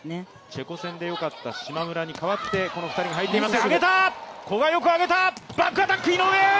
チェコ戦でよかった島村に代わってこの２人が入っています。